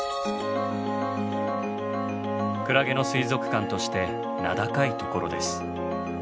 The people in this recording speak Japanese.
クラゲの水族館として名高いところです。